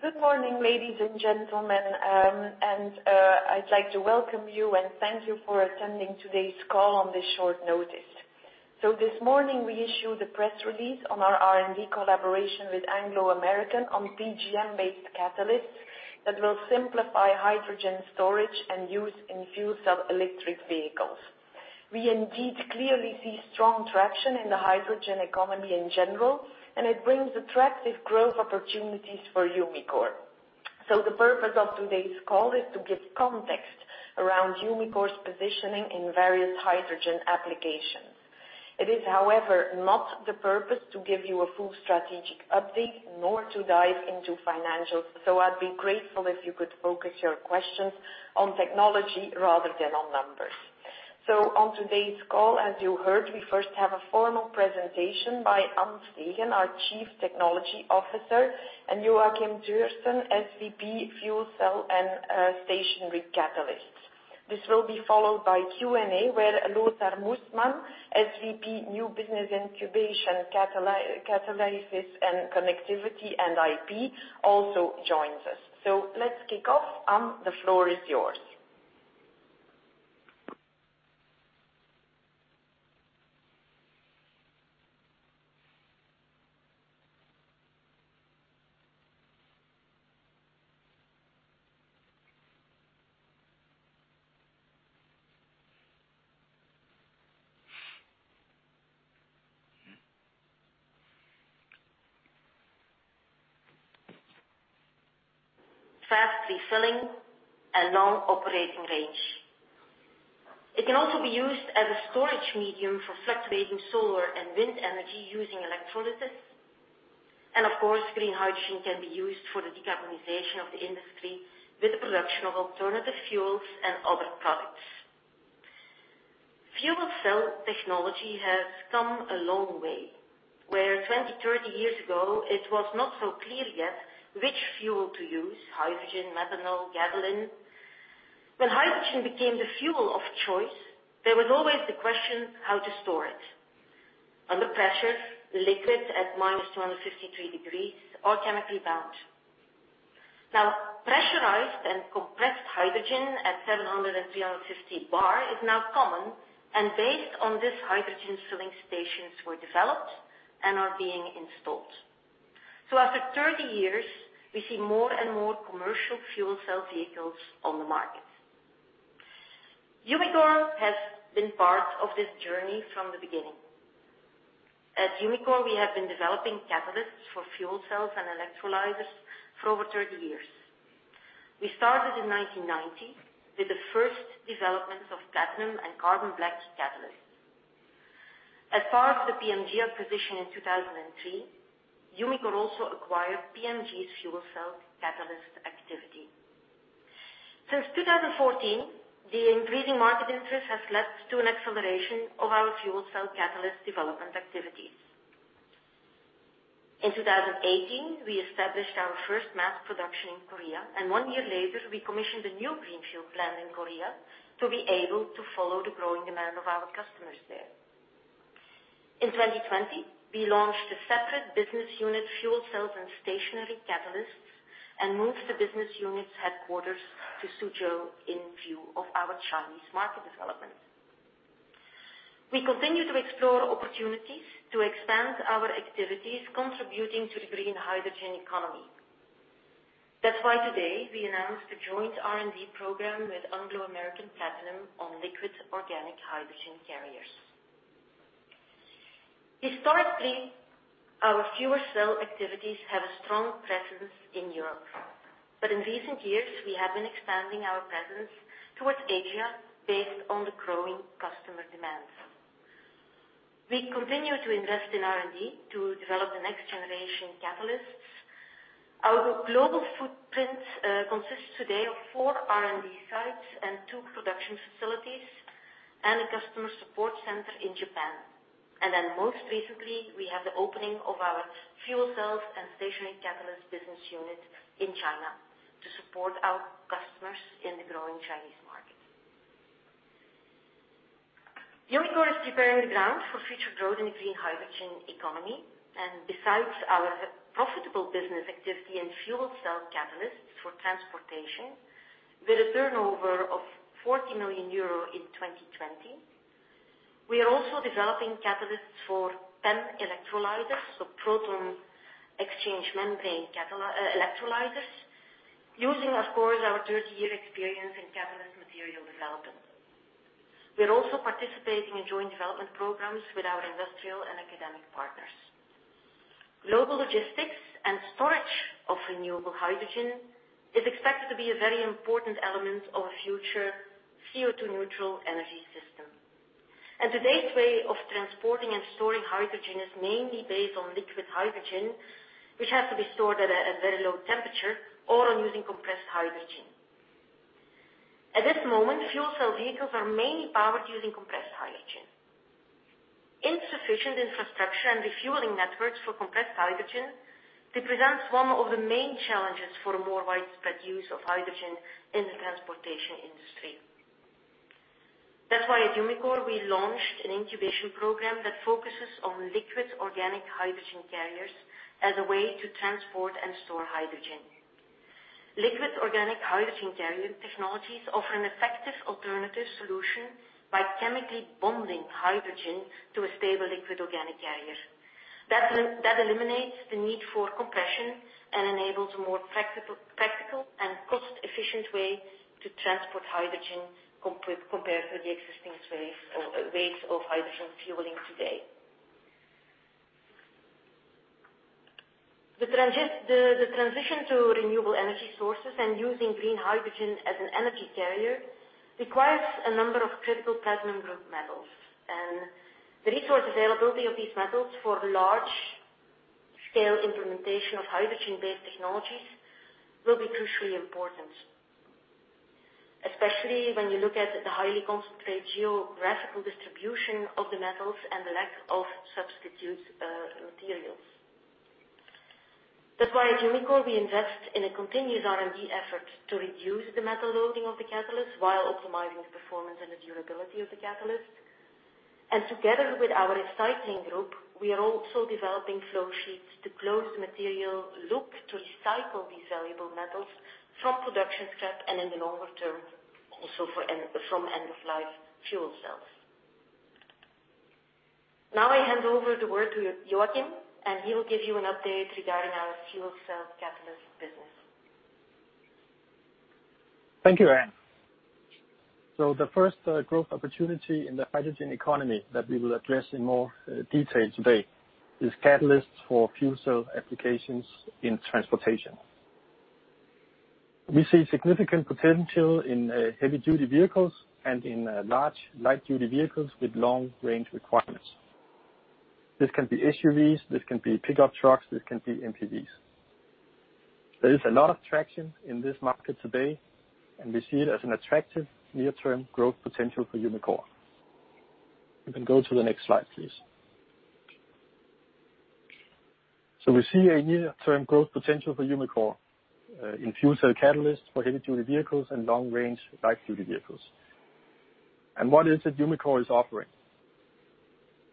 Good morning, ladies and gentlemen. I'd like to welcome you and thank you for attending today's call on this short notice. This morning, we issued a press release on our R&D collaboration with Anglo American on PGM-based catalysts that will simplify hydrogen storage and use in fuel cell electric vehicles. We indeed clearly see strong traction in the hydrogen economy in general, and it brings attractive growth opportunities for Umicore. The purpose of today's call is to give context around Umicore's positioning in various hydrogen applications. It is, however, not the purpose to give you a full strategic update, nor to dive into financials. I'd be grateful if you could focus your questions on technology rather than on numbers. On today's call, as you heard, we first have a formal presentation by An Steegen, our Chief Technology Officer, and Joakim Thøgersen, SVP Fuel Cell and Stationary Catalysts. This will be followed by Q and A where Lothar Mussmann, SVP New Business Incubation, Catalysis and Connectivity and IP, also joins us. Let's kick off. An, the floor is yours. Fast refilling and long operating range. It can also be used as a storage medium for fluctuating solar and wind energy using electrolysis. Of course, green hydrogen can be used for the decarbonization of the industry with the production of alternative fuels and other products. Fuel cell technology has come a long way, where 20-30 years ago, it was not so clear yet which fuel to use, hydrogen, methanol, gasoline. When hydrogen became the fuel of choice, there was always the question how to store it. Under pressure, liquids at -253 degrees are chemically bound. Pressurized and compressed hydrogen at 700 and 350 bar is now common, and based on this, hydrogen filling stations were developed and are being installed. After 30 years, we see more and more commercial fuel cell vehicles on the market. Umicore has been part of this journey from the beginning. At Umicore, we have been developing catalysts for fuel cells and electrolyzers for over 30 years. We started in 1990 with the first development of platinum and carbon black catalysts. As part of the PMG acquisition in 2003, Umicore also acquired PMG's fuel cell catalyst activity. Since 2014, the increasing market interest has led to an acceleration of our fuel cell catalyst development activities. In 2018, we established our first mass production in Korea, and one year later, we commissioned a new greenfield plant in Korea to be able to follow the growing demand of our customers there. In 2020, we launched a separate business unit, Fuel Cells and Stationary Catalysts, and moved the business unit's headquarters to Suzhou in view of our Chinese market development. We continue to explore opportunities to expand our activities, contributing to the green hydrogen economy. That's why today we announced a joint R&D program with Anglo American Platinum on liquid organic hydrogen carriers. Historically, our fuel cell activities have a strong presence in Europe. In recent years, we have been expanding our presence towards Asia based on the growing customer demands. We continue to invest in R&D to develop the next generation catalysts. Our global footprint consists today of four R&D sites and two production facilities and a customer support center in Japan. Most recently, we had the opening of our Fuel Cells and Stationary Catalyst business unit in China to support our customers in the growing Chinese market. Umicore is preparing the ground for future growth in the green hydrogen economy. Besides our profitable business activity and fuel cell catalysts for transportation with a turnover of 40 million euro in 2020, we are also developing catalysts for PEM electrolyzers, so proton exchange membrane electrolyzers, using, of course, our 30-year experience in catalyst material development. We are also participating in joint development programs with our industrial and academic partners. Global logistics and storage of renewable hydrogen is expected to be a very important element of a future CO2 neutral energy system, and today's way of transporting and storing hydrogen is mainly based on liquid hydrogen, which has to be stored at a very low temperature or on using compressed hydrogen. At this moment, fuel cell vehicles are mainly powered using compressed hydrogen. Insufficient infrastructure and refueling networks for compressed hydrogen represents one of the main challenges for a more widespread use of hydrogen in the transportation industry. That's why at Umicore, we launched an incubation program that focuses on liquid organic hydrogen carriers as a way to transport and store hydrogen. Liquid organic hydrogen carrier technologies offer an effective alternative solution by chemically bonding hydrogen to a stable liquid organic carrier. That eliminates the need for compression and enables more practical and cost-efficient ways to transport hydrogen compared to the existing ways of hydrogen fueling today. The transition to renewable energy sources and using green hydrogen as an energy carrier requires a number of critical platinum group metals. The resource availability of these metals for large-scale implementation of hydrogen-based technologies will be crucially important, especially when you look at the highly concentrated geographical distribution of the metals and the lack of substitute materials. That's why at Umicore, we invest in a continuous R&D effort to reduce the metal loading of the catalyst while optimizing the performance and the durability of the catalyst. Together with our recycling group, we are also developing flow sheets to close the material loop to recycle these valuable metals from production scrap and in the longer term, also from end-of-life fuel cells. I hand over the word to Joakim, and he will give you an update regarding our Fuel Cell Catalyst business. Thank you, An. The first growth opportunity in the hydrogen economy that we will address in more detail today is catalysts for fuel cell applications in transportation. We see significant potential in heavy-duty vehicles and in large light-duty vehicles with long range requirements. This can be SUVs, this can be pickup trucks, this can be MPV. There is a lot of traction in this market today, and we see it as an attractive near-term growth potential for Umicore. You can go to the next slide, please. We see a near-term growth potential for Umicore in fuel cell catalysts for heavy-duty vehicles and long-range light-duty vehicles. What is it Umicore is offering?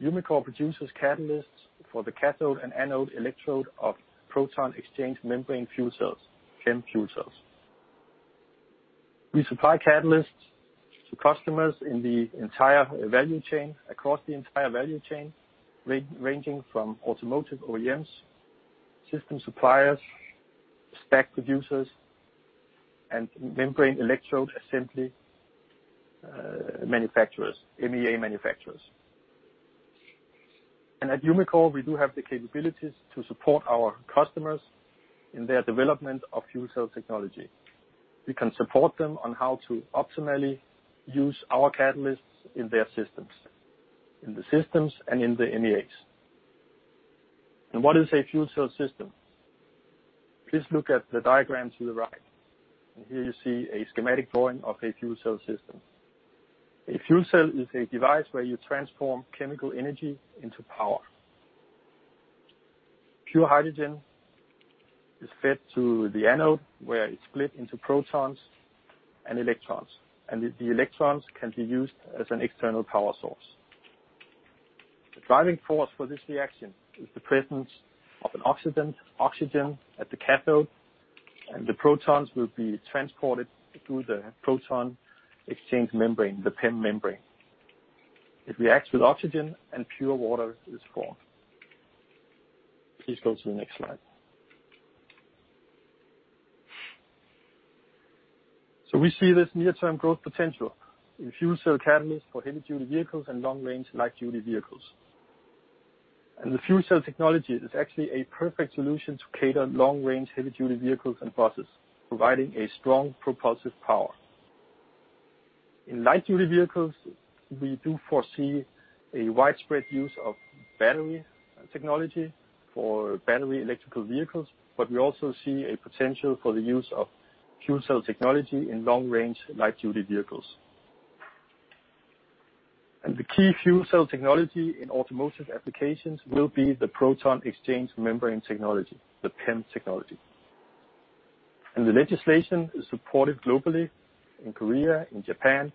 Umicore produces catalysts for the cathode and anode electrode of proton exchange membrane fuel cells, PEM fuel cells. We supply catalysts to customers in the entire value chain, across the entire value chain, ranging from automotive OEMs, system suppliers, stack producers, and membrane electrode assembly manufacturers, MEA manufacturers. At Umicore, we do have the capabilities to support our customers in their development of fuel cell technology. We can support them on how to optimally use our catalysts in their systems and in the MEAs. What is a fuel cell system? Please look at the diagram to the right, and here you see a schematic drawing of a fuel cell system. A fuel cell is a device where you transform chemical energy into power. Pure hydrogen is fed to the anode, where it's split into protons and electrons, and the electrons can be used as an external power source. The driving force for this reaction is the presence of an oxidant, oxygen at the cathode, and the protons will be transported through the proton exchange membrane, the PEM membrane. It reacts with oxygen, and pure water is formed. Please go to the next slide. We see this near-term growth potential in fuel cell catalysts for heavy-duty vehicles and long-range light-duty vehicles. The fuel cell technology is actually a perfect solution to cater long-range heavy-duty vehicles and buses, providing a strong propulsive power. In light-duty vehicles, we do foresee a widespread use of battery technology for battery electrical vehicles, but we also see a potential for the use of fuel cell technology in long-range light-duty vehicles. The key fuel cell technology in automotive applications will be the proton exchange membrane technology, the PEM technology. The legislation is supported globally in Korea, in Japan,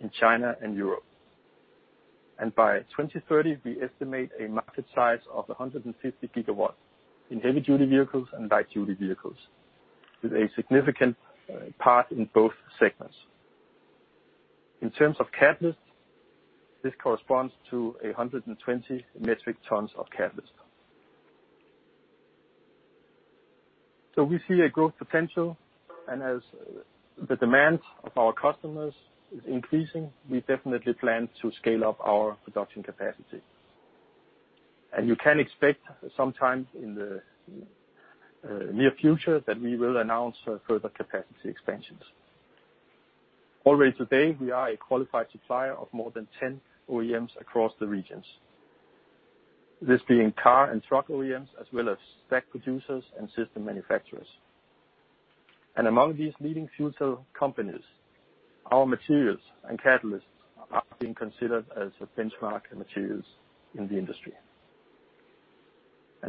in China, and Europe. By 2030, we estimate a market size of 150 GW in heavy-duty vehicles and light-duty vehicles, with a significant part in both segments. In terms of catalysts, this corresponds to 120 metric tons of catalyst. We see a growth potential, and as the demand of our customers is increasing, we definitely plan to scale up our production capacity. You can expect sometime in the near future that we will announce further capacity expansions. Already today, we are a qualified supplier of more than 10 OEMs across the regions, this being car and truck OEMs, as well as stack producers and system manufacturers. Among these leading fuel cell companies, our materials and catalysts are being considered as benchmark materials in the industry.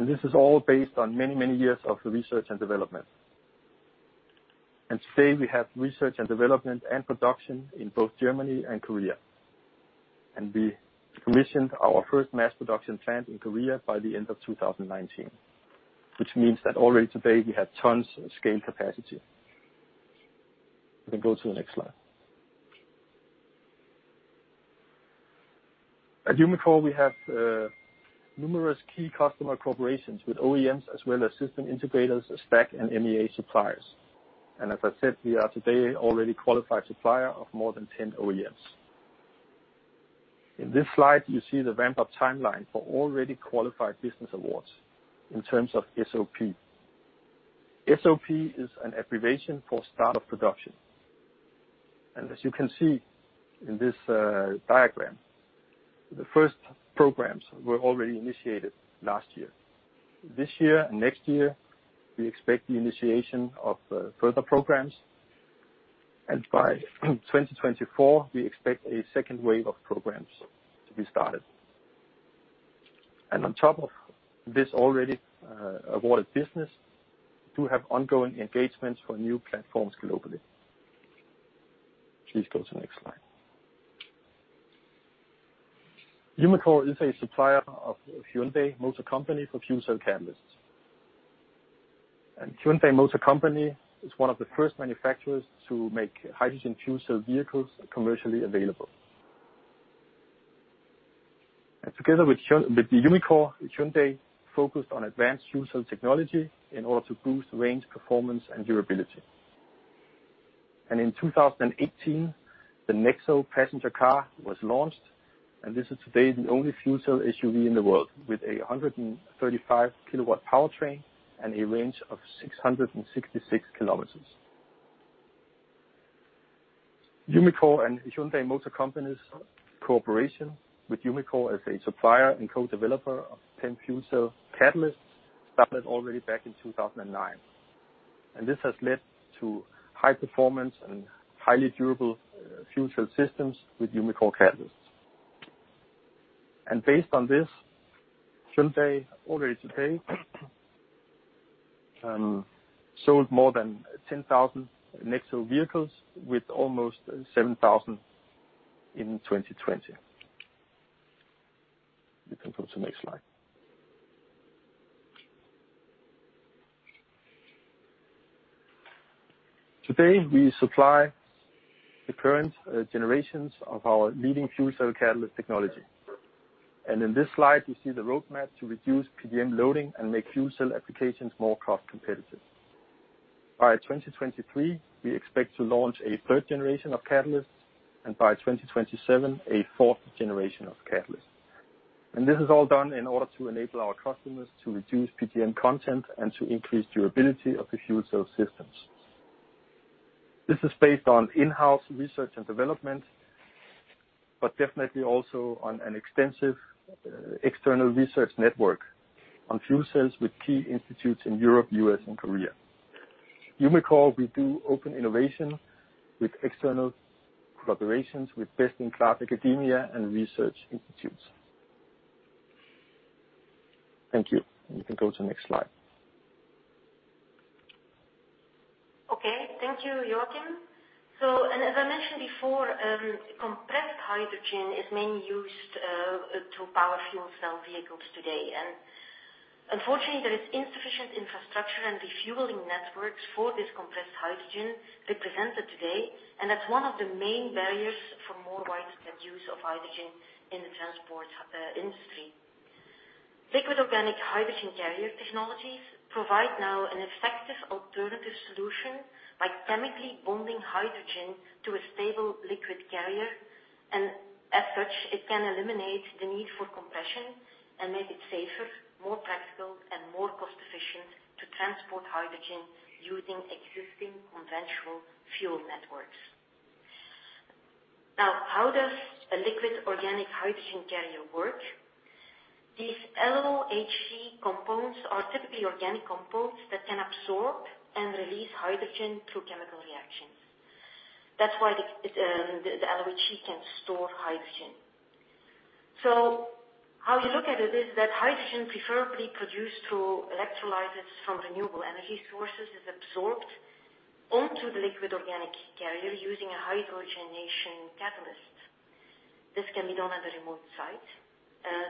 This is all based on many, many years of research and development. Today we have research and development and production in both Germany and Korea. We commissioned our first mass production plant in Korea by the end of 2019, which means that already today we have tons of scale capacity. You can go to the next slide. At Umicore we have numerous key customer corporations with OEMs as well as system integrators, stack and MEA suppliers. As I said, we are today already qualified supplier of more than 10 OEMs. In this slide, you see the ramp-up timeline for already qualified business awards in terms of SOP. SOP is an abbreviation for start of production. As you can see in this diagram, the first programs were already initiated last year. This year and next year, we expect the initiation of further programs, and by 2024, we expect a second wave of programs to be started. On top of this already awarded business, we do have ongoing engagements for new platforms globally. Please go to the next slide. Umicore is a supplier of Hyundai Motor Company for fuel cell catalysts. Hyundai Motor Company is one of the first manufacturers to make hydrogen fuel cell vehicles commercially available. Together with Umicore, Hyundai focused on advanced fuel cell technology in order to boost range, performance, and durability. In 2018, the NEXO passenger car was launched, and this is today the only fuel cell SUV in the world, with 135 kW powertrain and a range of 666 km. Umicore and Hyundai Motor Company's cooperation with Umicore as a supplier and co-developer of PEM fuel cell catalysts started already back in 2009. This has led to high performance and highly durable fuel cell systems with Umicore catalysts. Based on this, Hyundai already today, sold more than 10,000 NEXO vehicles with almost 7,000 in 2020. You can go to next slide. Today we supply the current generations of our leading fuel cell catalyst technology. In this slide you see the roadmap to reduce PGM loading and make fuel cell applications more cost competitive. By 2023, we expect to launch a third generation of catalysts. By 2027, a fourth generation of catalysts. This is all done in order to enable our customers to reduce PGM content and to increase durability of the fuel cell systems. This is based on in-house research and development, definitely also on an extensive external research network on fuel cells with key institutes in Europe, U.S., and Korea. Umicore, we do open innovation with external collaborations with best-in-class academia and research institutes. Thank you. You can go to the next slide. Okay. Thank you, Joakim. As I mentioned before, compressed hydrogen is mainly used to power fuel cell vehicles today. Unfortunately there is insufficient infrastructure and refueling networks for this compressed hydrogen represented today. That's one of the main barriers for more widespread use of hydrogen in the transport industry. Liquid organic hydrogen carrier technologies provide now an effective alternative solution by chemically bonding hydrogen to a stable liquid carrier. As such, it can eliminate the need for compression and make it safer, more practical, and more cost efficient to transport hydrogen using existing conventional fuel networks. How does a liquid organic hydrogen carrier work? These LOHC compounds are typically organic compounds that can absorb and release hydrogen through chemical reactions. That's why the LOHC can store hydrogen. How you look at it is that hydrogen preferably produced through electrolysis from renewable energy sources is absorbed onto the liquid organic carrier using a hydrogenation catalyst. This can be done at a remote site.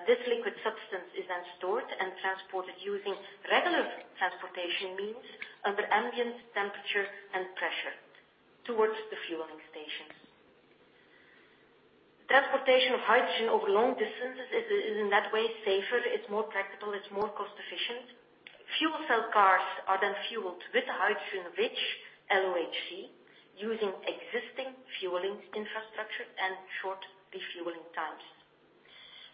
This liquid substance is stored and transported using regular transportation means under ambient temperature and pressure towards the fueling stations. Transportation of hydrogen over long distances is in that way safer, it's more practical, it's more cost efficient. Fuel cell cars are fueled with hydrogen-rich LOHC using existing fueling infrastructure and short refueling times.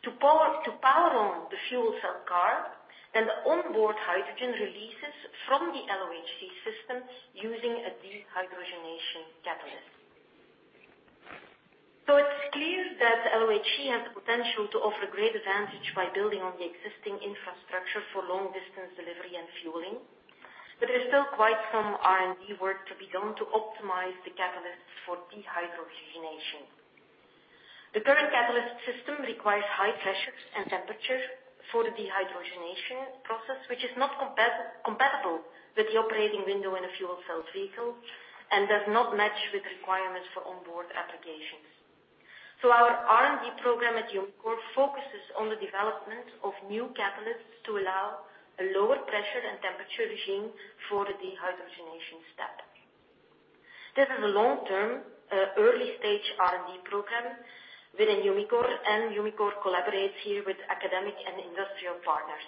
To power on the fuel cell car, then the onboard hydrogen releases from the LOHC system using a dehydrogenation catalyst. It's clear that LOHC has the potential to offer great advantage by building on the existing infrastructure for long distance delivery and fueling, but there's still quite some R&D work to be done to optimize the catalyst for dehydrogenation. The current catalyst system requires high pressures and temperature for the dehydrogenation process, which is not compatible with the operating window in a fuel cell vehicle, and does not match with requirements for onboard applications. Our R&D program at Umicore focuses on the development of new catalysts to allow a lower pressure and temperature regime for the dehydrogenation step. This is a long-term, early-stage R&D program within Umicore, and Umicore collaborates here with academic and industrial partners.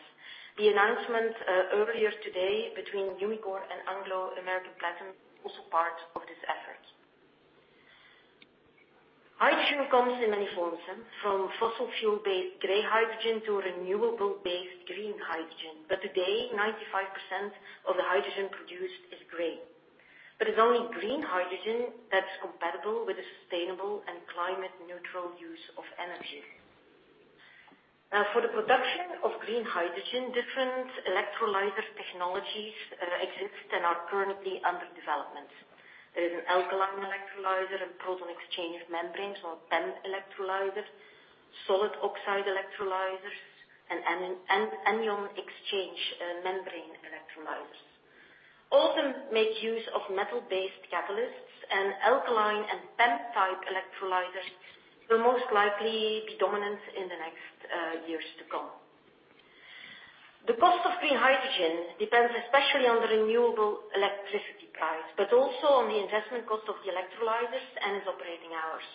The announcement earlier today between Umicore and Anglo American Platinum is also part of this effort. Hydrogen comes in many forms, from fossil fuel-based gray hydrogen to renewable-based green hydrogen. Today, 95% of the hydrogen produced is gray. It's only green hydrogen that's compatible with the sustainable and climate-neutral use of energy. For the production of green hydrogen, different electrolyzer technologies exist and are currently under development. There is an alkaline electrolyzer, a proton exchange membrane, so a PEM electrolyzer, solid oxide electrolyzers, and anion exchange membrane electrolyzers. All of them make use of metal-based catalysts, and alkaline and PEM-type electrolyzers will most likely be dominant in the next years to come. The cost of green hydrogen depends especially on the renewable electricity price, but also on the investment cost of the electrolyzers and its operating hours.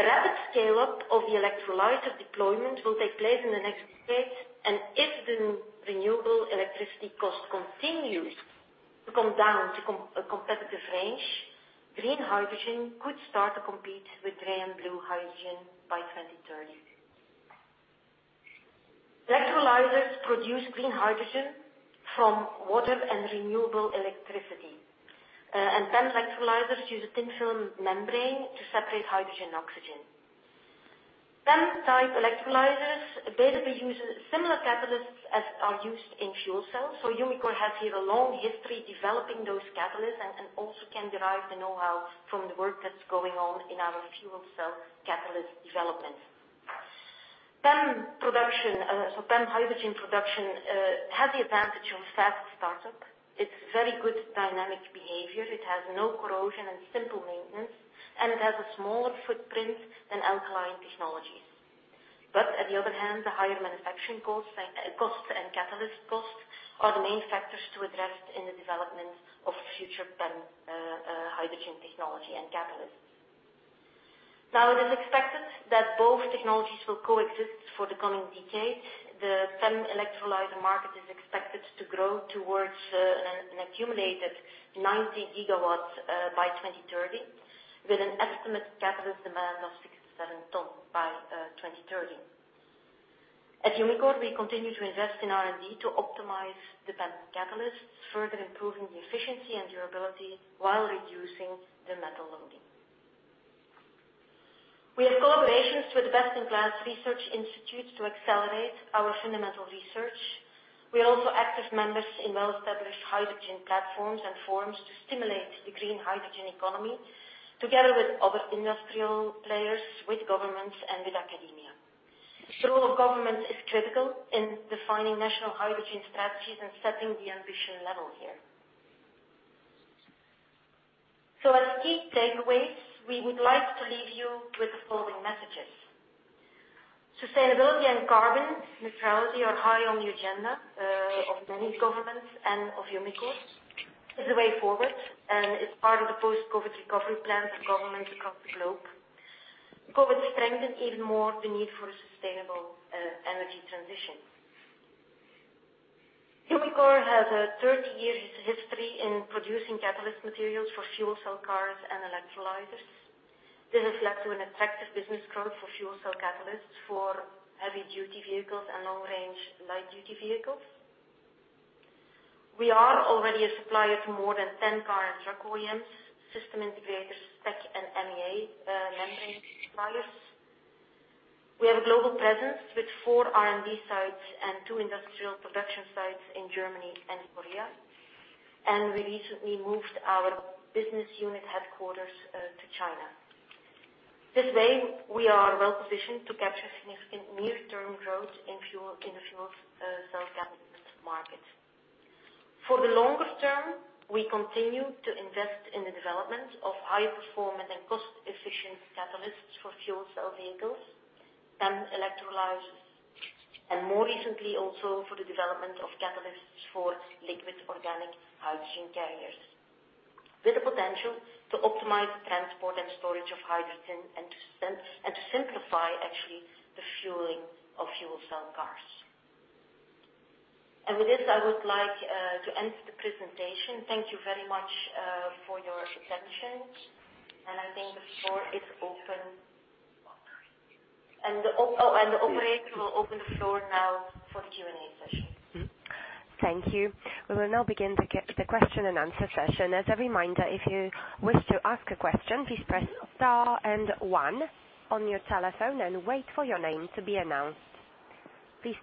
A rapid scale-up of the electrolyzer deployment will take place in the next decade, and if the renewable electricity cost continues to come down to a competitive range, green hydrogen could start to compete with gray and blue hydrogen by 2030. Electrolyzers produce green hydrogen from water and renewable electricity. PEM electrolyzers use a thin film membrane to separate hydrogen and oxygen. PEM-type electrolyzers basically use similar catalysts as are used in fuel cells, so Umicore has here a long history developing those catalysts and also can derive the know-how from the work that's going on in our fuel cell catalyst development. PEM hydrogen production has the advantage of fast startup. It's very good dynamic behavior. It has no corrosion and simple maintenance, and it has a smaller footprint than alkaline technologies. On the other hand, the higher manufacturing costs and catalyst costs are the main factors to address in the development of future PEM hydrogen technology and catalysts. It is expected that both technologies will coexist for the coming decade. The PEM electrolyzer market is expected to grow towards an accumulated 90 GW by 2030, with an estimated catalyst demand of 6 tonnes-7 tonnes by 2030. At Umicore, we continue to invest in R&D to optimize the PEM catalysts, further improving the efficiency and durability while reducing the metal loading. We have collaborations with best-in-class research institutes to accelerate our fundamental research. We are also active members in well-established hydrogen platforms and forums to stimulate the green hydrogen economy, together with other industrial players, with governments, and with academia. The role of government is critical in defining national hydrogen strategies and setting the ambition level here. As key takeaways, we would like to leave you with the following messages. Sustainability and carbon neutrality are high on the agenda of many governments and of Umicore. It's the way forward, and it's part of the post-COVID recovery plans of governments across the globe. COVID strengthened even more the need for a sustainable energy transition. Umicore has a 30 years history in producing catalyst materials for fuel cell cars and electrolyzers. This has led to an attractive business growth for fuel cell catalysts for heavy-duty vehicles and long-range light-duty vehicles. We are already a supplier to more than 10 car and truck OEMs, system integrators, stack, and MEA membrane suppliers. We have a global presence with four R&D sites and two industrial production sites in Germany and Korea. We recently moved our business unit headquarters to China. This way, we are well-positioned to capture significant near-term growth in the fuel cell catalyst market. For the longer term, we continue to invest in the development of high-performance and cost-efficient catalysts for fuel cell vehicles, PEM electrolyzers, and more recently, also for the development of catalysts for liquid organic hydrogen carriers, with the potential to optimize the transport and storage of hydrogen and to simplify actually the fueling of fuel cell cars. With this, I would like to end the presentation. Thank you very much for your attention, and I think the floor is open. The operator will open the floor now for the Q and A session. Thank you. We will now begin the question and answer session. As a reminder, if you wish to ask a question, please press star and one on your telephone and wait for your name to be announced. Your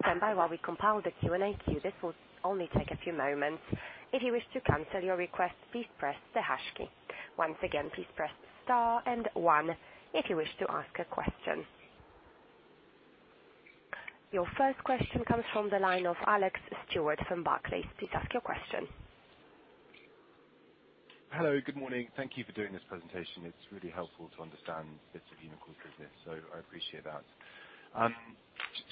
first question comes from the line of Alex Stewart from Barclays. Please ask your question. Hello. Good morning. Thank you for doing this presentation. It's really helpful to understand bits of Umicore's business, so I appreciate that.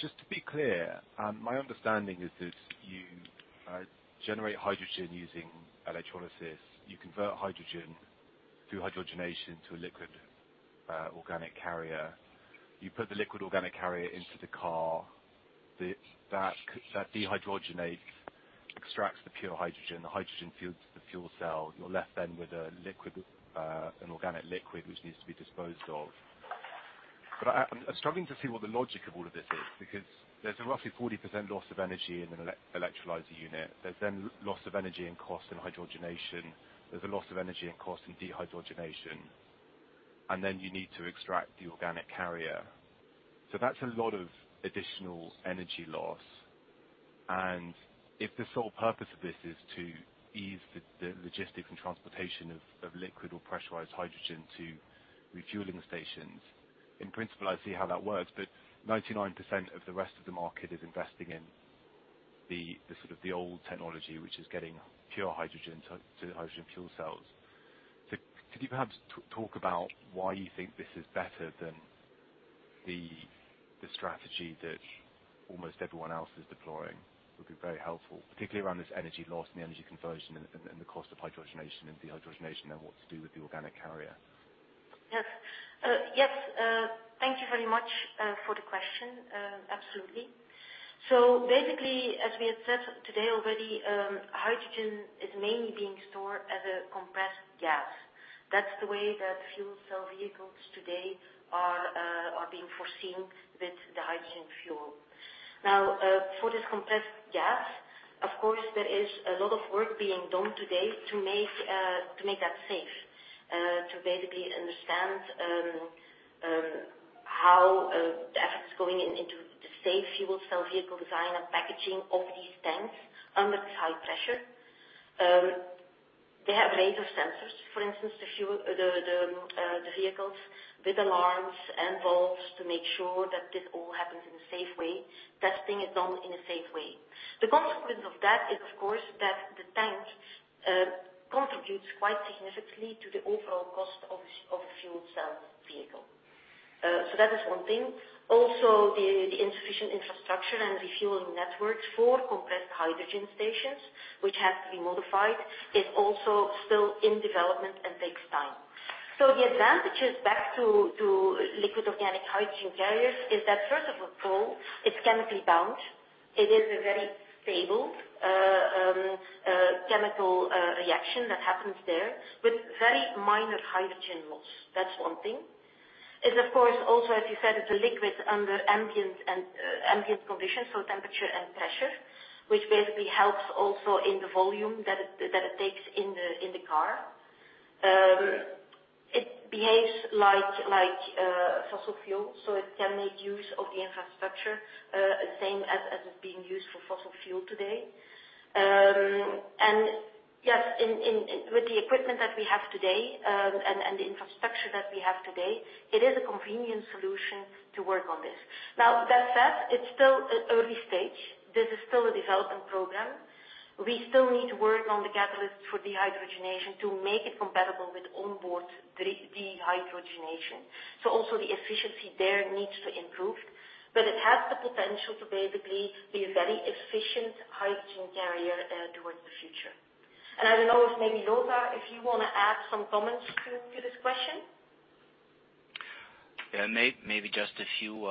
Just to be clear, my understanding is that you generate hydrogen using electrolysis. You convert hydrogen through hydrogenation to a liquid organic carrier. You put the liquid organic carrier into the car, that dehydrogenate extracts the pure hydrogen, the hydrogen fuels the fuel cell. You're left then with an organic liquid, which needs to be disposed of. I'm struggling to see what the logic of all of this is, because there's a roughly 40% loss of energy in an electrolyzer unit. There's then loss of energy and cost in hydrogenation. There's a loss of energy and cost in dehydrogenation. Then you need to extract the organic carrier. That's a lot of additional energy loss, and if the sole purpose of this is to ease the logistics and transportation of liquid or pressurized hydrogen to refueling stations, in principle, I see how that works. 99% of the rest of the market is investing in the old technology, which is getting pure hydrogen to hydrogen fuel cells. Could you perhaps talk about why you think this is better than the strategy that almost everyone else is deploying? Would be very helpful, particularly around this energy loss and the energy conversion and the cost of hydrogenation and dehydrogenation and what to do with the organic carrier. Yes. Thank you very much for the question. Absolutely. Basically, as we had said today already, hydrogen is mainly being stored as a compressed gas. That's the way that fuel cell vehicles today are being foreseen with the hydrogen fuel. Now, for this compressed gas, of course, there is a lot of work being done today to make that safe, to basically understand how the efforts going into the safe fuel cell vehicle design and packaging of these tanks under this high pressure. They have laser sensors, for instance, the vehicles with alarms and valves to make sure that this all happens in a safe way, testing is done in a safe way. The consequence of that is, of course, that the tank contributes quite significantly to the overall cost of a fuel cell vehicle. That is one thing. The insufficient infrastructure and refueling networks for compressed hydrogen stations, which have to be modified, is also still in development and takes time. The advantages back to liquid organic hydrogen carriers is that, first of all, it's chemically bound. It is a very stable chemical reaction that happens there with very minor hydrogen loss. That's one thing. It's of course also, as you said, it's a liquid under ambient conditions, so temperature and pressure, which basically helps also in the volume that it takes in the car. It behaves like fossil fuel, so it can make use of the infrastructure, same as it's being used for fossil fuel today. Yes, with the equipment that we have today, and the infrastructure that we have today, it is a convenient solution to work on this. Now, that said, it's still early stage. This is still a development program. We still need to work on the catalyst for dehydrogenation to make it compatible with onboard dehydrogenation. Also the efficiency there needs to improve, but it has the potential to basically be a very efficient hydrogen carrier towards the future. I don't know if maybe, Lothar, if you want to add some comments to this question. Yeah, maybe just a few,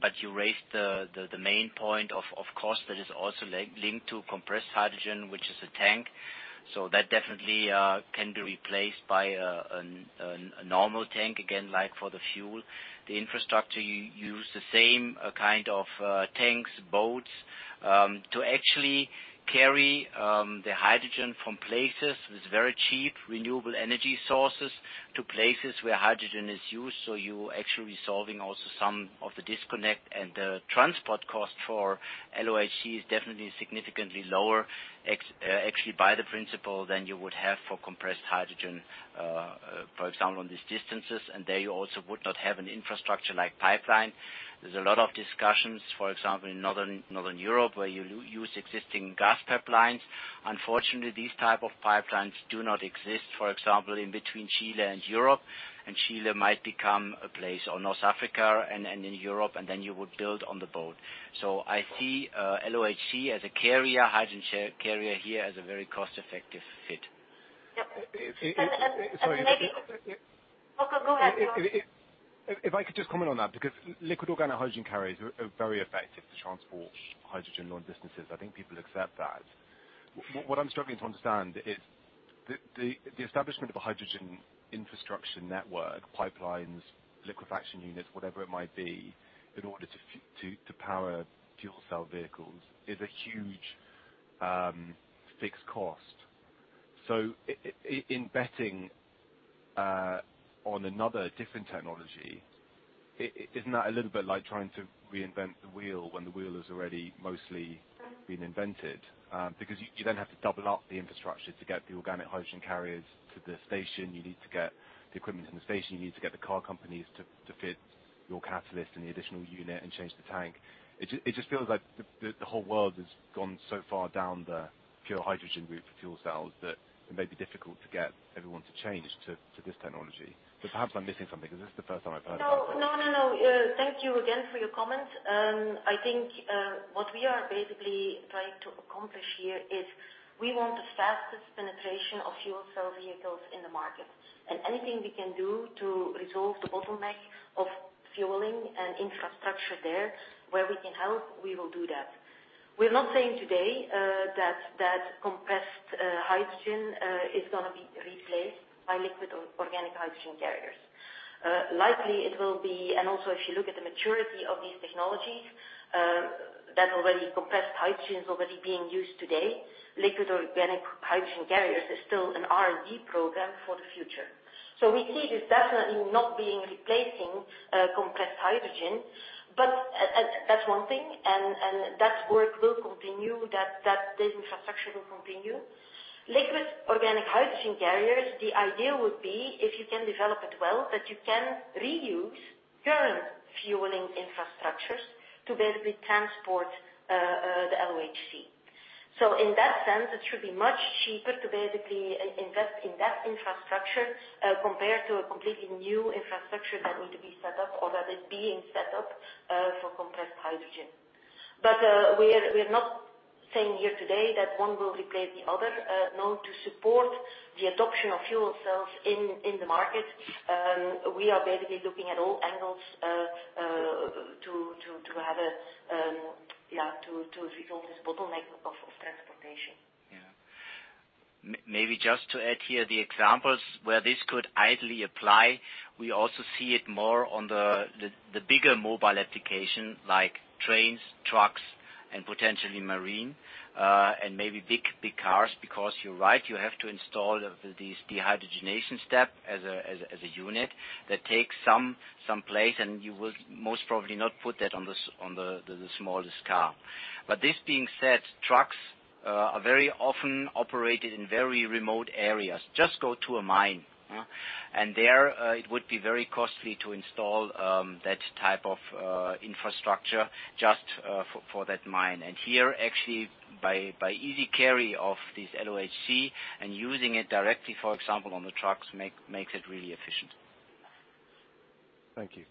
but you raised the main point, of course, that is also linked to compressed hydrogen, which is a tank. That definitely can be replaced by a normal tank, again, like for the fuel. The infrastructure, you use the same kind of tanks, boats, to actually carry the hydrogen from places with very cheap renewable energy sources to places where hydrogen is used. You're actually resolving also some of the disconnect, and the transport cost for LOHC is definitely significantly lower, actually, by the principle than you would have for compressed hydrogen, for example, on these distances. There you also would not have an infrastructure like pipeline. There's a lot of discussions, for example, in Northern Europe, where you use existing gas pipelines. Unfortunately, these type of pipelines do not exist, for example, in between Chile and Europe, and Chile might become a place or North Africa and in Europe, and then you would build on the boat. I see LOHC as a carrier, hydrogen carrier here as a very cost-effective fit. Yep. Sorry. Go ahead. If I could just comment on that, because liquid organic hydrogen carriers are very effective to transport hydrogen long distances. I think people accept that. What I'm struggling to understand is the establishment of a hydrogen infrastructure network, pipelines, liquefaction units, whatever it might be, in order to power fuel cell vehicles, is a huge fixed cost. In betting on another different technology, isn't that a little bit like trying to reinvent the wheel when the wheel is already mostly been invented? You then have to double up the infrastructure to get the organic hydrogen carriers to the station. You need to get the equipment in the station, you need to get the car companies to fit your catalyst and the additional unit and change the tank. It just feels like the whole world has gone so far down the pure hydrogen route for fuel cells that it may be difficult to get everyone to change to this technology. Perhaps I'm missing something because this is the first time I've heard that. No. Thank you again for your comment. I think, what we are basically trying to accomplish here is, we want the fastest penetration of fuel cell vehicles in the market. Anything we can do to resolve the bottleneck of fueling and infrastructure there, where we can help, we will do that. We're not saying today that compressed hydrogen is going to be replaced by liquid organic hydrogen carriers. Likely it will be, and also if you look at the maturity of these technologies, that already compressed hydrogen is already being used today. Liquid organic hydrogen carriers is still an R&D program for the future. We see this definitely not being replacing compressed hydrogen. That's one thing, and that work will continue, this infrastructure will continue. Liquid organic hydrogen carriers, the idea would be if you can develop it well, that you can reuse current fueling infrastructures to basically transport the LOHC. In that sense, it should be much cheaper to basically invest in that infrastructure, compared to a completely new infrastructure that would be set up or that is being set up, for compressed hydrogen. We're not saying here today that one will replace the other. No. To support the adoption of fuel cells in the market, we are basically looking at all angles to resolve this bottleneck of transportation. Yeah. Maybe just to add here the examples where this could ideally apply. We also see it more on the bigger mobile application like trains, trucks, and potentially marine, and maybe big cars, because you're right, you have to install this dehydrogenation step as a unit that takes some place, and you will most probably not put that on the smallest car. This being said, trucks are very often operated in very remote areas. Just go to a mine, there, it would be very costly to install that type of infrastructure just for that mine. Here, actually, by easy carry of this LOHC and using it directly, for example, on the trucks, makes it really efficient. Thank you.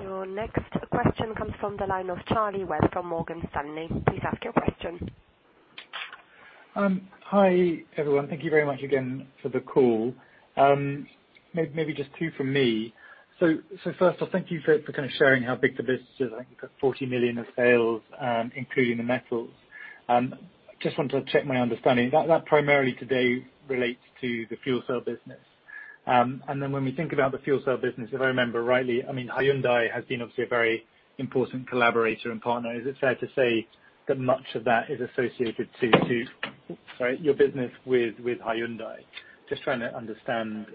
Your next question comes from the line of Charlie Webb from Morgan Stanley. Please ask your question. Hi, everyone. Thank you very much again for the call. Maybe just two from me. First off, thank you for kind of sharing how big the business is. I think you've got 40 million of sales, including the metals. Just wanted to check my understanding. That primarily today relates to the fuel cell business. When we think about the fuel cell business, if I remember rightly, Hyundai has been obviously a very important collaborator and partner. Is it fair to say that much of that is associated to, sorry, your business with Hyundai? Just trying to understand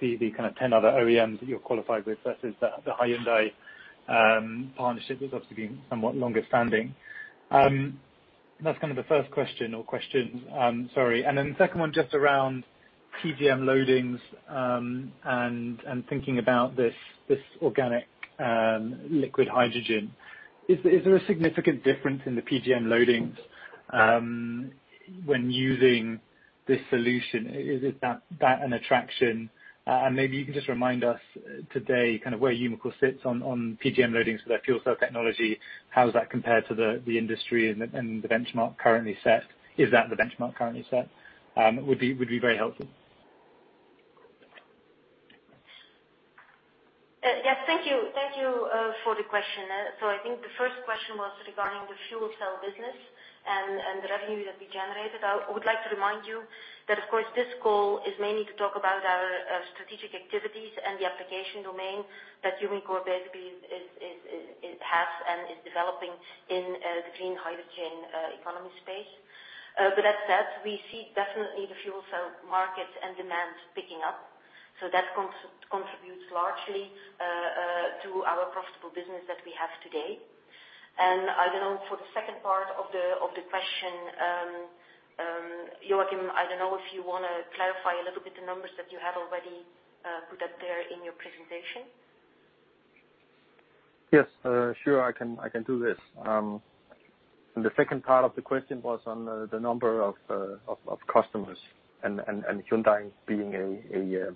the kind of 10 other OEMs that you're qualified with versus the Hyundai partnership, which obviously being somewhat longer standing. That's kind of the first question or questions. Sorry. The second one, just around PGM loadings, and thinking about this organic, liquid hydrogen. Is there a significant difference in the PGM loadings, when using this solution? Is that an attraction? Maybe you can just remind us today kind of where Umicore sits on PGM loadings for that fuel cell technology. How does that compare to the industry and the benchmark currently set? Is that the benchmark currently set? Would be very helpful. Yes. Thank you for the question. I think the first question was regarding the Fuel Cell business and the revenue that we generated. I would like to remind you that, of course, this call is mainly to talk about our strategic activities and the application domain that Umicore basically has and is developing in the clean hydrogen economy space. That said, we see definitely the fuel cell market and demand picking up. That contributes largely to our profitable business that we have today. I don't know, for the second part of the question, Joakim, I don't know if you want to clarify a little bit the numbers that you had already put out there in your presentation. Yes. Sure. I can do this. The second part of the question was on the number of customers, and Hyundai being a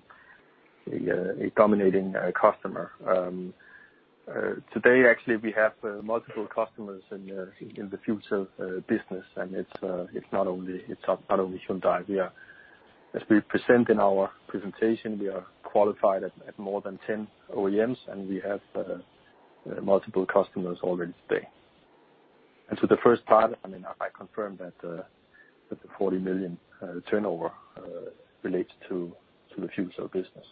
dominating customer. Today, actually, we have multiple customers in the fuel cell business, and it's not only Hyundai. As we present in our presentation, we are qualified at more than 10 OEMs, and we have multiple customers already today. The first part, I confirm that the 40 million turnover relates to the future of business.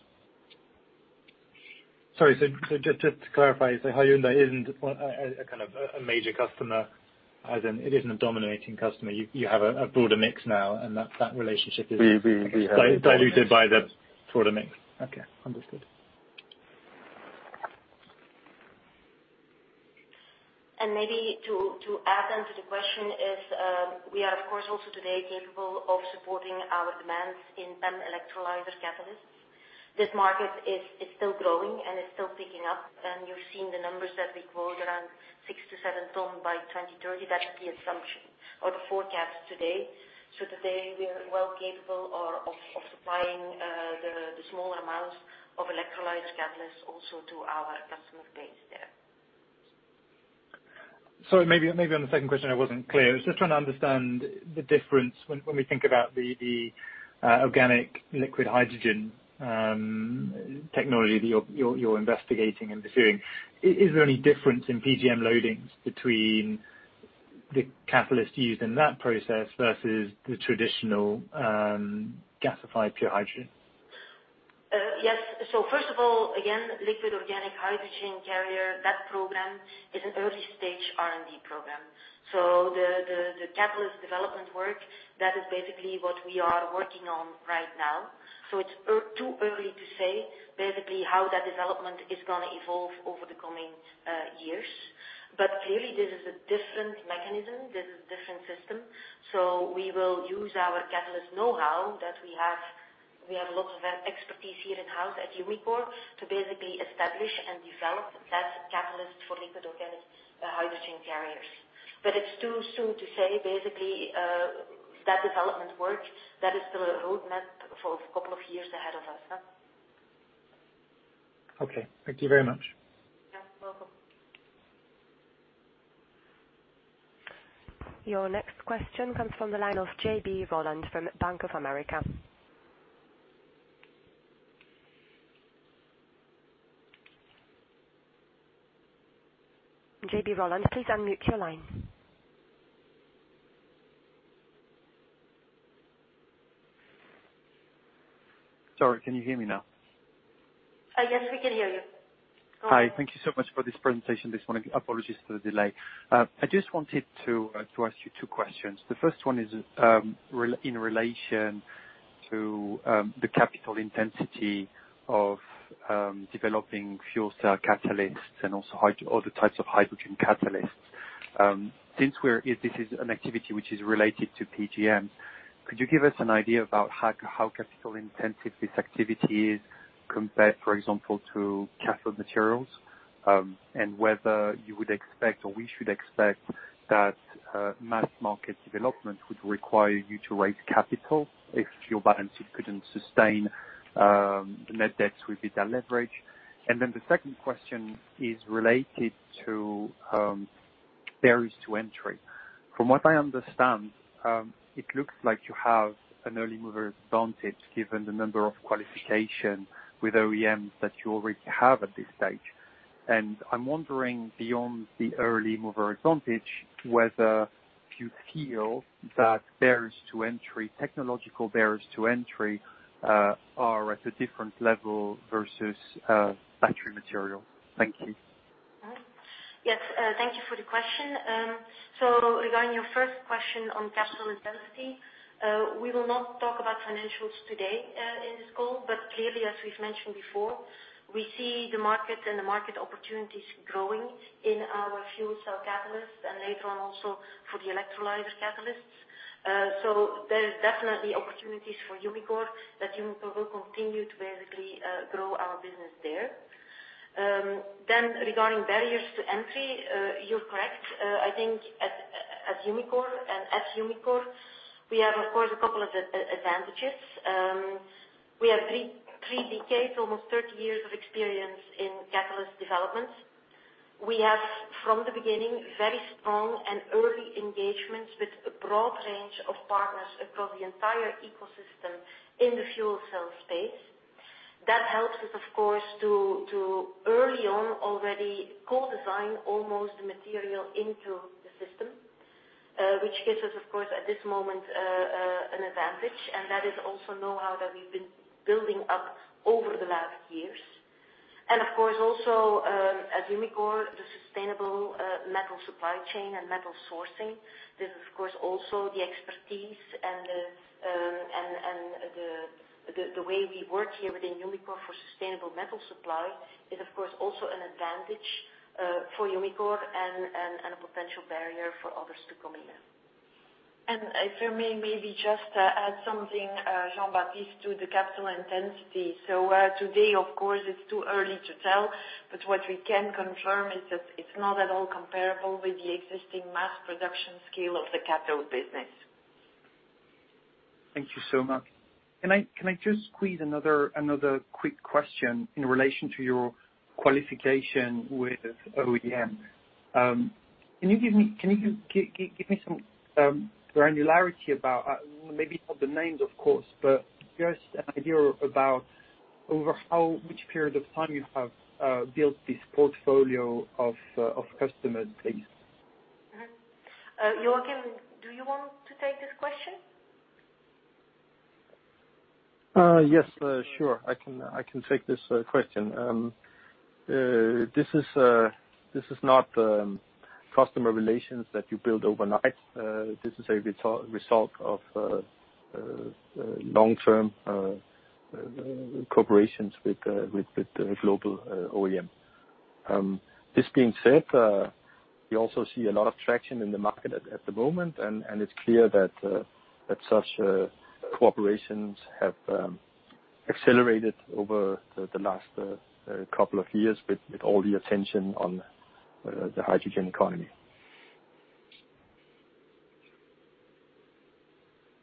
Sorry, just to clarify, Hyundai isn't a kind of major customer, as in it isn't a dominating customer. You have a broader mix now, and that relationship is. We have. diluted by the broader mix. Okay. Understood. Maybe to add on to the question is, we are of course, also today capable of supporting our demands in electrolyzer catalysts. This market is still growing and is still picking up, you're seeing the numbers that we quote around 6 tons-7 tons by 2030. That's the assumption or the forecast today. Today, we are well capable of supplying the small amounts of electrolyzer catalysts also to our customer base there. Sorry, maybe on the second question, I wasn't clear. I was just trying to understand the difference when we think about the organic liquid hydrogen technology that you're investigating and pursuing. Is there any difference in PGM loadings between the catalyst used in that process versus the traditional gasified pure hydrogen? Yes. First of all, again, liquid organic hydrogen carrier, that program is an early-stage R&D program. The catalyst development work, that is basically what we are working on right now. It's too early to say basically how that development is going to evolve over the coming years. Clearly, this is a different mechanism, this is a different system. We will use our catalyst knowhow that we have. We have a lot of expertise here in-house at Umicore to basically establish and develop that catalyst for liquid organic hydrogen carriers. It's too soon to say, basically, that development work, that is still a roadmap for a couple of years ahead of us. Okay. Thank you very much. Yeah. Welcome. Your next question comes from the line of J.B. Rolland from Bank of America. J.B. Rolland, please unmute your line. Sorry, can you hear me now? Yes, we can hear you. Hi. Thank you so much for this presentation this morning. Apologies for the delay. I just wanted to ask you two questions. The first one is in relation to the capital intensity of developing fuel cell catalysts and also other types of hydrogen catalysts. Since this is an activity which is related to PGM, could you give us an idea about how capital-intensive this activity is compared, for example, to cathode materials? Whether you would expect, or we should expect that mass market development would require you to raise capital if your balance sheet couldn't sustain the net debt with the leverage? The second question is related to barriers to entry. From what I understand, it looks like you have an early mover advantage given the number of qualification with OEMs that you already have at this stage. I'm wondering, beyond the early mover advantage, whether you feel that barriers to entry, technological barriers to entry, are at a different level versus battery material. Thank you. Yes. Thank you for the question. Regarding your first question on capital intensity, we will not talk about financials today in this call. Clearly, as we've mentioned before, we see the market and the market opportunities growing in our fuel cell catalyst and later on also for the electrolyzer catalysts. There is definitely opportunities for Umicore that Umicore will continue to basically grow our business there. Regarding barriers to entry, you're correct. I think at Umicore, we have, of course, a couple of advantages. We have three decades, almost 30 years of experience in catalyst development. We have, from the beginning, very strong and early engagements with a broad range of partners across the entire ecosystem in the fuel cell space. That helps us, of course, to early on already co-design almost the material into the system, which gives us, of course, at this moment, an advantage. That is also knowhow that we've been building up over the last years. Of course, also, at Umicore, the sustainable metal supply chain and metal sourcing. This is, of course, also the expertise and the way we work here within Umicore for sustainable metal supply is, of course, also an advantage for Umicore and a potential barrier for others to come in. If I may maybe just add something, Jean-Baptiste, to the capital intensity. Today, of course, it's too early to tell, but what we can confirm is that it's not at all comparable with the existing mass production scale of the cathode business. Thank you so much. Can I just squeeze another quick question in relation to your qualification with OEM? Can you give me some granularity about, maybe not the names, of course, but just an idea about over which period of time you have built this portfolio of customer base? Joakim, do you want to take this question? Yes, sure. I can take this question. This is not customer relations that you build overnight. This is a result of long-term cooperations with global OEM. This being said, we also see a lot of traction in the market at the moment, and it's clear that such cooperations have accelerated over the last couple of years with all the attention on the hydrogen economy.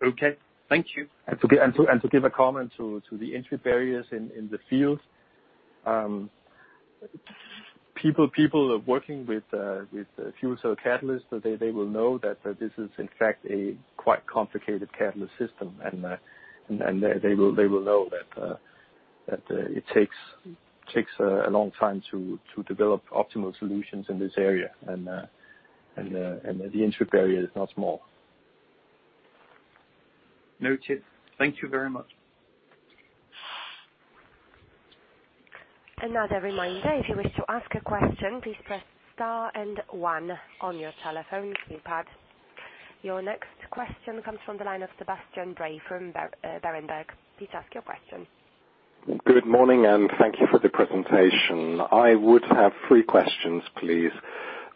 Okay. Thank you. To give a comment to the entry barriers in the field. People working with fuel cell catalysts, they will know that this is in fact a quite complicated catalyst system, and they will know that it takes a long time to develop optimal solutions in this area, and the entry barrier is not small. Noted. Thank you very much. Another reminder, if you wish to ask a question, please press star and one on your telephone keypad. Your next question comes from the line of Sebastian Bray from Berenberg. Please ask your question. Good morning, and thank you for the presentation. I would have three questions, please.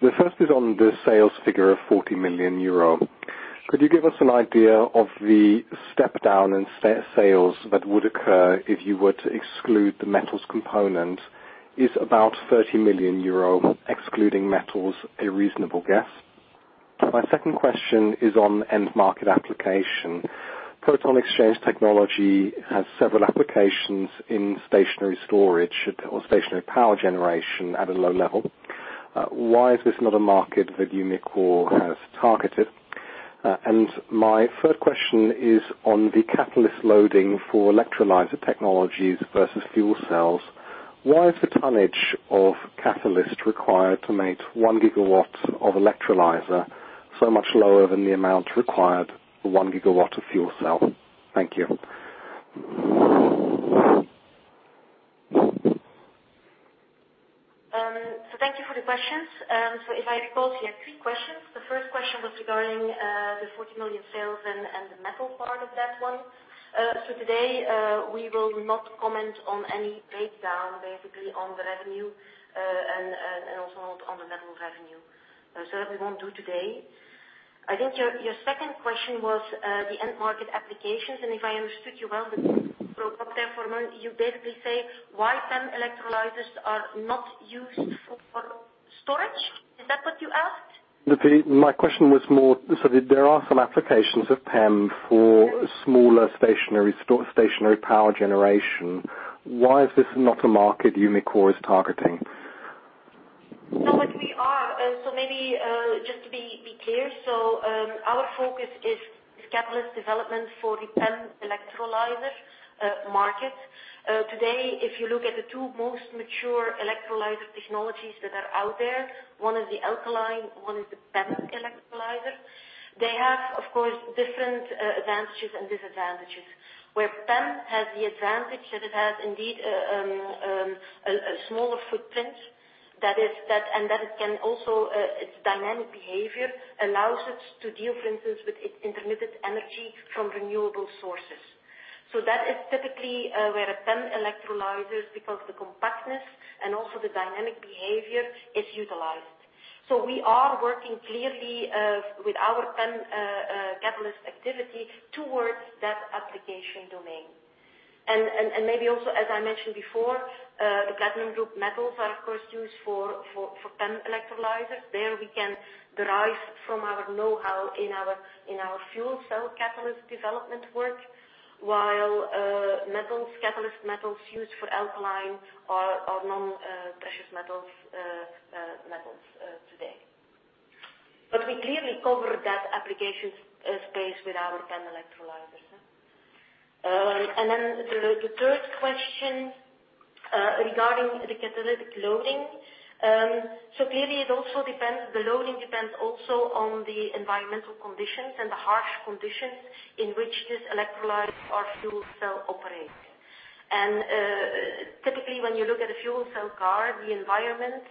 The first is on the sales figure of 40 million euro. Could you give us an idea of the step down in sales that would occur if you were to exclude the metals component? Is about 30 million euro excluding metals a reasonable guess? My second question is on end market application. Proton exchange technology has several applications in stationary storage or stationary power generation at a low level. Why is this not a market that Umicore has targeted? My third question is on the catalyst loading for electrolyzer technologies versus fuel cells. Why is the tonnage of catalyst required to make 1 GW of electrolyzer so much lower than the amount required for 1 GW of fuel cell? Thank you. Thank you for the questions. If I recall, you had three questions. The first question was regarding the 40 million sales and the metal part of that one. Today, we will not comment on any breakdown, basically on the revenue, and also not on the metal revenue. That we won't do today. I think your second question was the end market applications, and if I understood you well, but correct me if I'm wrong, you basically say why PEM electrolyzers are not used for storage. Is that what you asked? My question was more, so there are some applications of PEM for smaller stationary power generation. Why is this not a market Umicore is targeting? Much we are. Maybe, just to be clear, our focus is catalyst development for the PEM electrolyzer market. Today, if you look at the two most mature electrolyzer technologies that are out there, one is the alkaline, one is the PEM electrolyzer. They have, of course, different advantages and disadvantages. Where PEM has the advantage that it has indeed a smaller footprint, and that it can also, its dynamic behavior allows it to deal, for instance, with its intermittent energy from renewable sources. That is typically where a PEM electrolyzers, because the compactness and also the dynamic behavior is utilized. We are working clearly with our PEM catalyst activity towards that application domain. Maybe also, as I mentioned before, the platinum group metals are, of course, used for PEM electrolyzers. There we can derive from our know-how in our fuel cell catalyst development work, while metals, catalyst metals used for alkaline are non-precious metals today. We clearly cover that application space with our PEM electrolyzers. The third question, regarding the catalytic loading. Clearly, the loading depends also on the environmental conditions and the harsh conditions in which this electrolyzer or fuel cell operates. Typically, when you look at a fuel cell car, the environment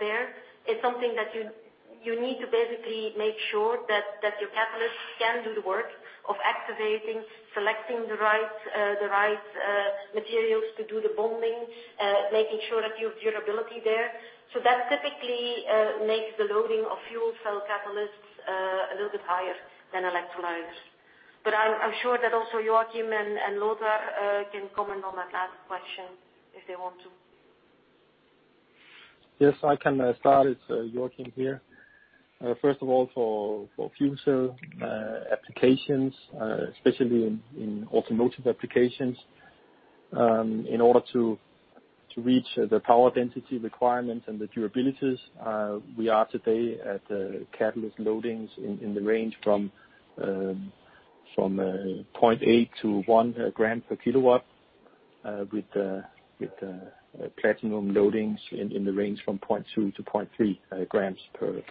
there is something that you need to basically make sure that your catalyst can do the work of activating, selecting the right materials to do the bonding, making sure that you have durability there. That typically makes the loading of fuel cell catalysts a little bit higher than electrolyzers. I'm sure that also Joakim and Lothar can comment on that last question if they want to. Yes, I can start. It's Joakim here. First of all, for fuel cell applications, especially in automotive applications, in order to reach the power density requirements and the durabilities, we are today at the catalyst loadings in the range from 0.8 g/kW to 1 g/kW. With the platinum loadings in the range from 0.2 g/kW to 0.3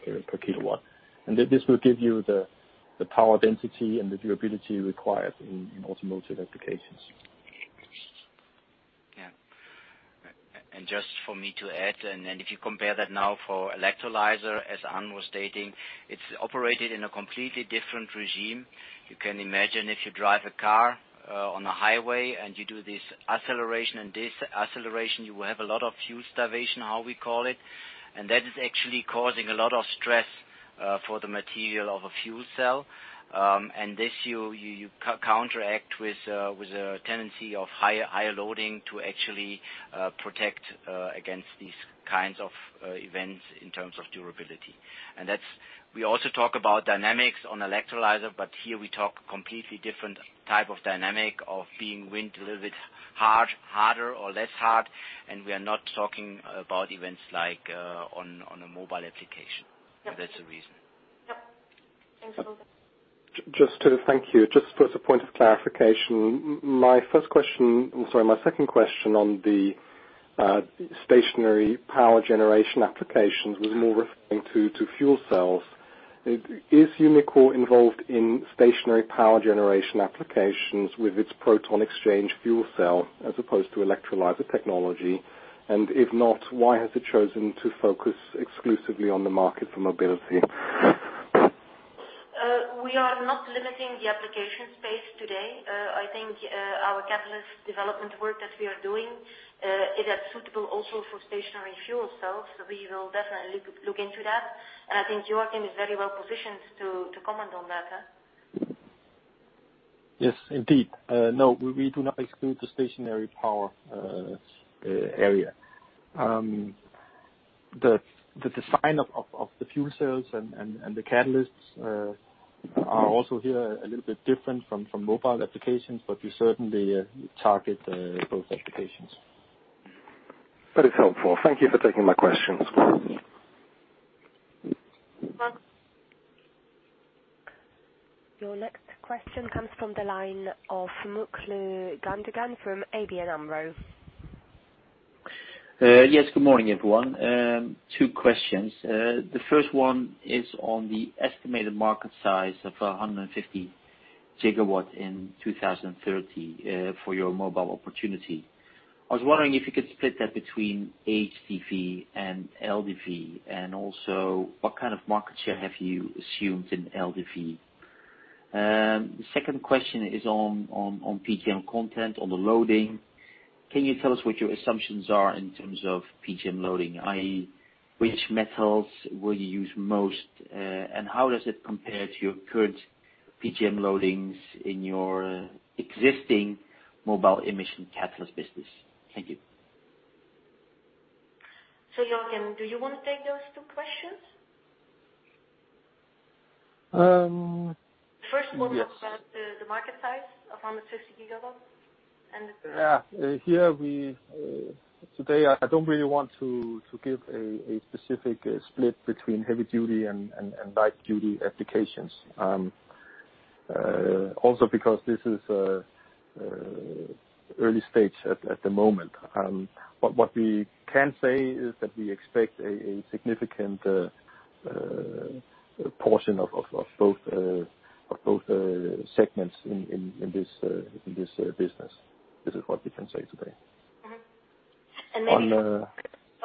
g/kW. This will give you the power density and the durability required in automotive applications. Yeah. Just for me to add, if you compare that now for electrolyzer, as An was stating, it's operated in a completely different regime. You can imagine if you drive a car on a highway and you do this acceleration and deceleration, you will have a lot of fuel starvation, how we call it. That is actually causing a lot of stress for the material of a fuel cell. This, you counteract with a tendency of higher loading to actually protect against these kinds of events in terms of durability. We also talk about dynamics on electrolyzer, here we talk completely different type of dynamic of being wind a little bit harder or less hard, and we are not talking about events like on a mobile application. That's the reason. Yep. Thanks, Lothar. Thank you. Just as a point of clarification, my first question, I'm sorry, my second question on the stationary power generation applications was more referring to fuel cells. Is Umicore involved in stationary power generation applications with its proton exchange fuel cell as opposed to electrolyzer technology? If not, why has it chosen to focus exclusively on the market for mobility? We are not limiting the application space today. I think our catalyst development work that we are doing, it is suitable also for stationary fuel cells. We will definitely look into that. I think Joakim is very well positioned to comment on that. Yes, indeed. We do not exclude the stationary power area. The design of the fuel cells and the catalysts are also here a little bit different from mobile applications, but we certainly target both applications. That is helpful. Thank you for taking my questions. Welcome. Your next question comes from the line of Mutlu Gundogan from ABN AMRO. Yes, good morning, everyone. Two questions. The first one is on the estimated market size of 150 GW in 2030 for your mobile opportunity. I was wondering if you could split that between HCV and LDV, and also, what kind of market share have you assumed in LDV? The second question is on PGM content on the loading. Can you tell us what your assumptions are in terms of PGM loading, i.e., which metals will you use most, and how does it compare to your current PGM loadings in your existing mobile emission catalyst business? Thank you. Joakim, do you want to take those two questions? Yes. First one was about the market size of 150 GW. Yeah. Today, I don't really want to give a specific split between heavy duty and light duty applications. Also because this is early stage at the moment. What we can say is that we expect a significant portion of both segments in this business. This is what we can say today. On,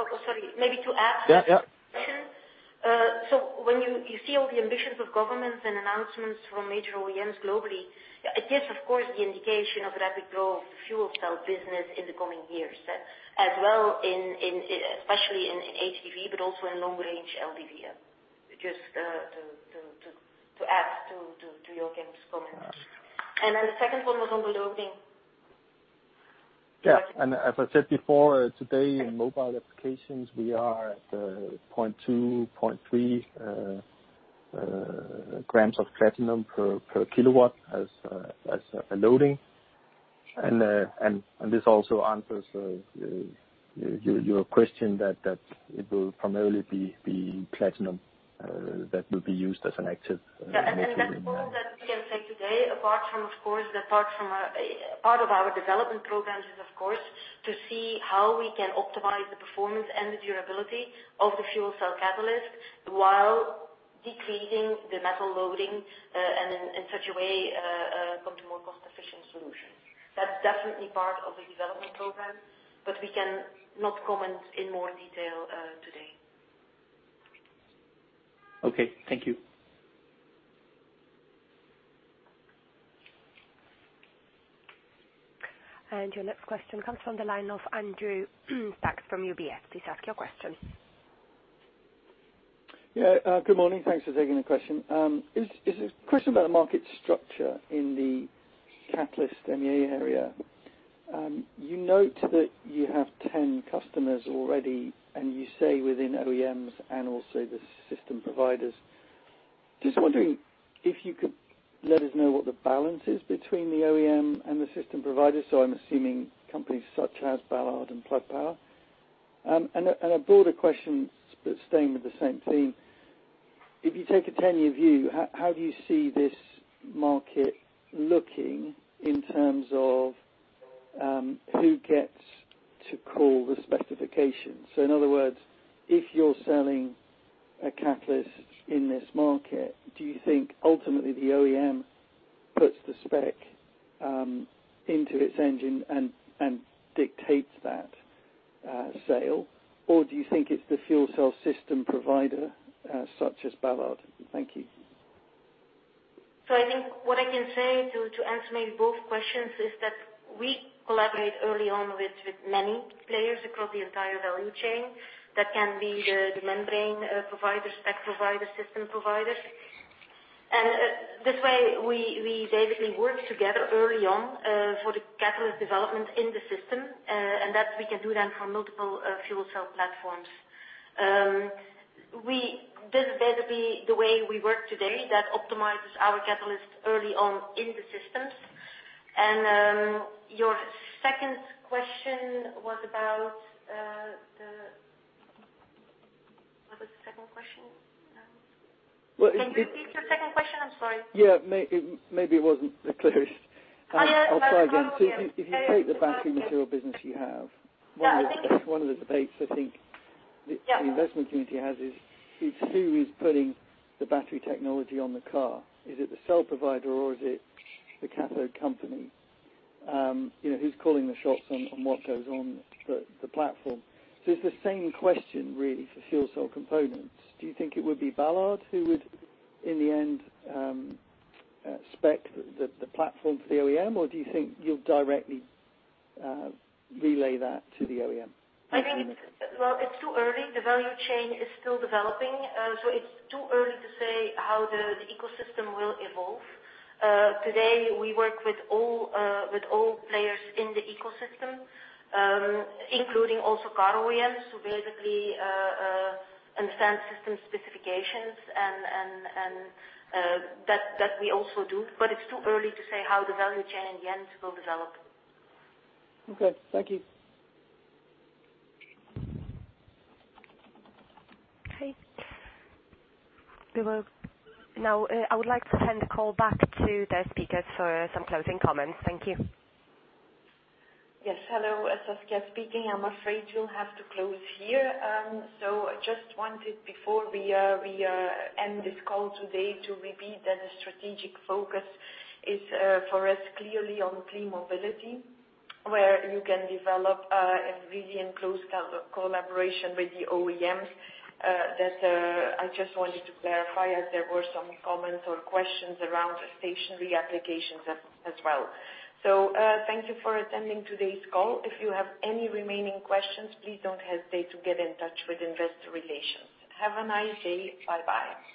Oh, sorry. Yeah. -to the question. When you see all the ambitions of governments and announcements from major OEMs globally, it gives, of course, the indication of rapid growth fuel cell business in the coming years, as well, especially in HCV, but also in long-range LDV. Just to add to Joakim's comments. The second one was on the loading. As I said before, today in mobile applications, we are at 0.2 g/kW-0.3 g/kW of platinum as a loading. This also answers your question that it will primarily be platinum that will be used as an active material. Yeah, that's all that we can say today, apart from, of course, part of our development programs is, of course, to see how we can optimize the performance and the durability of the fuel cell catalyst while decreasing the metal loading, and in such a way, come to more cost-efficient solutions. That's definitely part of the development program, but we can not comment in more detail today. Okay. Thank you. Your next question comes from the line of Andrew Stott from UBS. Please ask your question. Yeah. Good morning. Thanks for taking the question. It's a question about the market structure in the catalyst MEA area. You note that you have 10 customers already, and you say within OEMs and also the system providers. Just wondering if you could let us know what the balance is between the OEM and the system provider. I'm assuming companies such as Ballard and Plug Power. A broader question, but staying with the same theme. If you take a 10-year view, how do you see this market looking in terms of who gets to call the specifications? In other words, if you're selling a catalyst in this market, do you think ultimately the OEM puts the spec into its engine and dictates that sale? Do you think it's the fuel cell system provider, such as Ballard? Thank you. I think what I can say, to answer maybe both questions, is that we collaborate early on with many players across the entire value chain. That can be the membrane providers, spec providers, system providers. This way, we basically work together early on, for the catalyst development in the system, and that we can do then for multiple fuel cell platforms. This is basically the way we work today, that optimizes our catalyst early on in the systems. What was the second question? Well, Can you repeat your second question? I'm sorry. Yeah. Maybe it wasn't that clear. Oh, yeah. I'll try again. If you take the battery material business. Yeah. Thank you. one of the debates, I think. Yeah the investment community has is, who is putting the battery technology on the car? Is it the cell provider or is it the cathode company? Who's calling the shots on what goes on the platform? It's the same question, really, for fuel cell components. Do you think it would be Ballard who would, in the end, spec the platform for the OEM, or do you think you'll directly relay that to the OEM? I think, well, it's too early. The value chain is still developing. It's too early to say how the ecosystem will evolve. Today, we work with all players in the ecosystem, including also car OEMs, who basically understand system specifications, and that we also do. It's too early to say how the value chain in the end will develop. Okay. Thank you. Okay. Now, I would like to hand the call back to the speakers for some closing comments. Thank you. Yes. Hello. Saskia speaking. I'm afraid we'll have to close here. Just wanted, before we end this call today, to repeat that the strategic focus is, for us, clearly on clean mobility, where you can develop and really in close collaboration with the OEMs. That, I just wanted to clarify, as there were some comments or questions around stationary applications as well. Thank you for attending today's call. If you have any remaining questions, please don't hesitate to get in touch with investor relations. Have a nice day. Bye-bye.